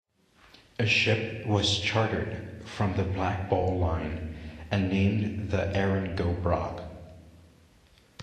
A ship was chartered from the Black Ball Line and named the "Erin-go-Bragh".